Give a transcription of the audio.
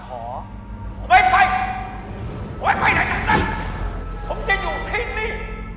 ขอไม่ไปขอไม่ไปในดังนั้นผมจะอยู่ที่นี้